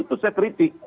itu saya kritik